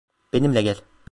Benimle gel.